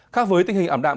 khác với tình hình ảm đạm